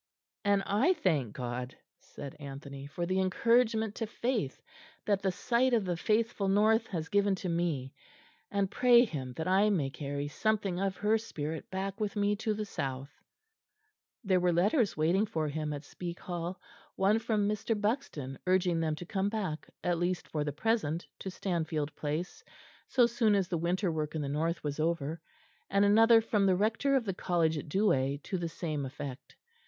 "And I thank God," said Anthony, "for the encouragement to faith that the sight of the faithful North has given to me; and pray Him that I may carry something of her spirit back with me to the south." There were letters waiting for him at Speke Hall, one from Mr. Buxton, urging them to come back, at least for the present, to Stanfield Place, so soon as the winter work in the north was over; and another from the Rector of the College at Douai to the same effect.